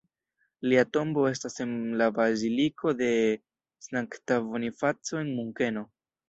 Lia tombo estas en la baziliko de S-ta Bonifaco en Munkeno.